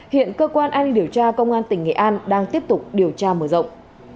hiện cơ quan an ninh điều tra công an tỉnh nghệ an đang tiếp tục điều tra mở rộng